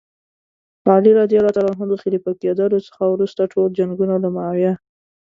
علي رض د خلیفه کېدلو څخه وروسته ټول جنګونه له معاویه.